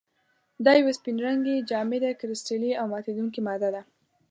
دا یوه سپین رنګې، جامده، کرسټلي او ماتیدونکې ماده ده.